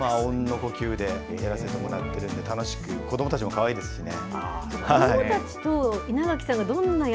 あうんの呼吸でやらせてもらって、楽しく、子どもたちもかわいいですしね。